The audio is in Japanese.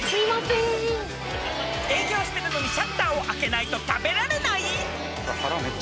営業してるのにシャッターを開けないと食べられない？